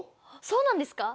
そうなんですか。